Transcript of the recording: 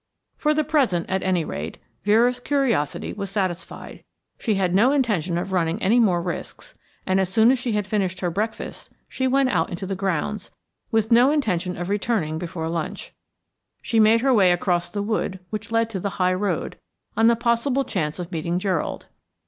For the present, at any rate, Vera's curiosity was satisfied. She had no intention of running any more risks, and as soon as she had finished her breakfast she went out into the grounds, with no intention of returning before lunch. She made her way across the wood which led to the high road, on the possible chance of meeting Gerald.